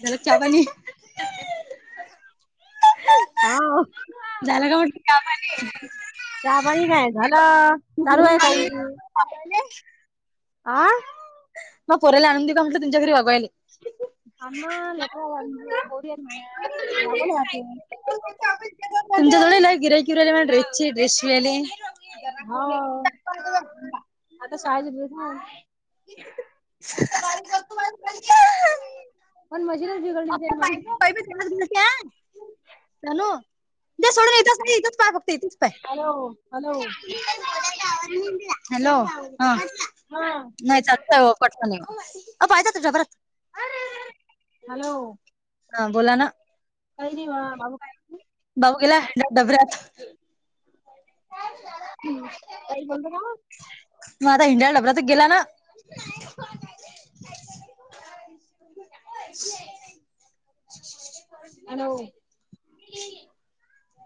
झाला चहा पानी हा झाला का म्हटल चहा पाणी. ह [unintelligible] आं मग पोऱ्याला आणून दीव का म्हटलं तुच्या घरी वागवायले आम्हा लेख झा [unintelligible] तुमच्या जवळ लई गिऱ्हाईक येऊ रहिले माया ड्रेस चे ड्रेस शिवायले. हो आता [inaudible] [inaudible] [unintelligible] हॅलो द्या सोडून इथच ताई इथच पाय बघत इथेच पाय हॅलो हा नाही चालत पटकन ये. अ बायता त जबरात हॅलो हा बोला ना बऊ गला हड डब्यात मग आता हिंड्याला डबरात गेला ना [unintelligible] हॅलो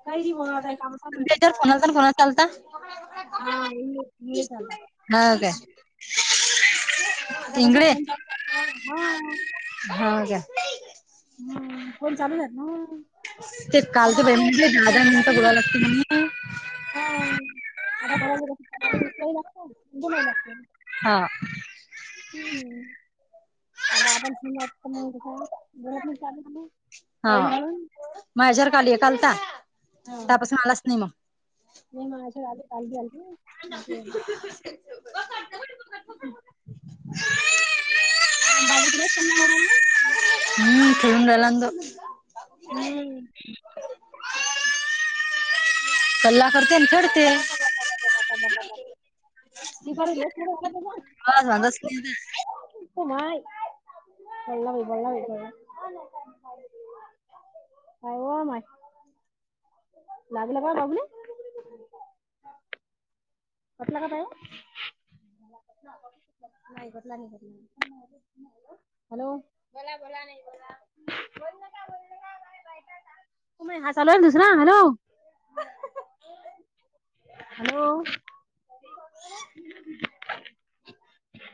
काच्यार फोनला तर फोनत चालता [unintelligible] हा [inaudible] इंगळे हा घ्या हम फोन चालू झालं नव ते कालच बे म्ह दादा मोठ बोला लागत म्हने हो आता कणा लागत बन लागत हा आता आपण स कस बरत नाही हा म ह्याच्यावर खलीय कालता त्यापासून आलाच नाही मग नाही माझ का [unintelligible] भगदशमवरा ना हम् तरूनडला तो सल्ला करते ना सोडते. त कर न घ का नाही बोलला बाई बोलला बाई बोलला बाई काय ओ बाई लागला का बाबुले? कटला काय पाय? नाही कटला नाही तरी. हॅलो! बोला बोला नाही बोला, बोलू नका बोल नका बाय बाय! म हा चालू आहे ना, दुसरा हॅलो! हॅलो!